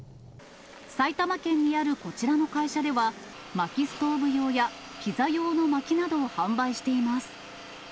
埼玉県にあるこちらの会社では、まきストーブ用や、ピザ用のまきなどを販売しています。